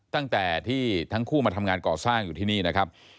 ตั้งแต่ที่ทั้งคู่มาทำงานก่อสร้างอยู่ที่นี่นะครับ